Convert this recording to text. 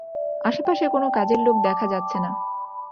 আশেপাশে কোনো কাজের লোক দেখা যাচ্ছে না।